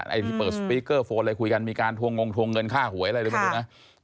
ไอ้ที่เปิดสปีกเกอร์โฟนอะไรคุยกันมีการทวงงงทวงเงินค่าหวยอะไรเลยไม่รู้นะ